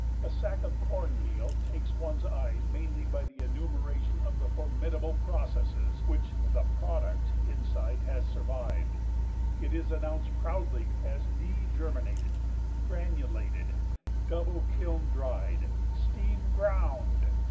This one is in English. A sack of corn meal takes one's eye mainly by the enumeration of the formidable processes which the "product" inside has survived. It is announced proudly as "degerminated, granulated, double kiln dried, steam ground"!